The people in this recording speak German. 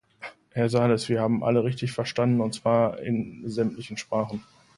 Herr Sarlis, wir haben alle richtig verstanden, und zwar in sämtlichen Sprachen.